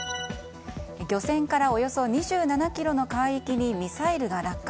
漁船からおよそ２７ｋｍの海域にミサイルが落下。